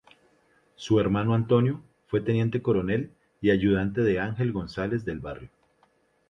Su hermano Antonio, fue teniente coronel y ayudante de Ángel González del Barrio.